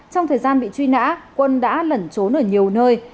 trong thời gian bị truy nã quân đã lẩn trốn ở nhiều nơi